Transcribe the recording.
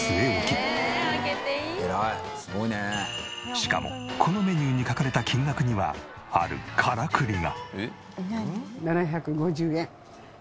しかもこのメニューに書かれた金額にはあるカラクリが。